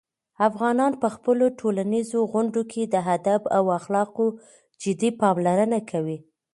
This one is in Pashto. افغانان په خپلو ټولنیزو غونډو کې د "ادب" او "اخلاقو" جدي پاملرنه کوي.